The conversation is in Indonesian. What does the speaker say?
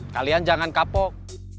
kalian jangan kapok